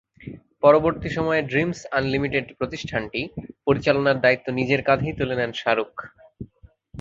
পরবর্তী সময়ে dreams unlimited প্রতিষ্ঠানটি পরিচালনার দায়িত্ব নিজের কাঁধেই তুলে নেন শাহরুখ।